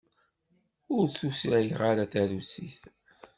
Ur tutlayeɣ ara tarusit.